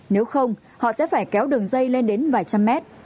nếu không họ sẽ phải kéo đường dây lên đến vài trăm mét